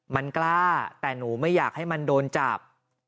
มันกล้าแต่หนูไม่อยากให้มันโดนจับ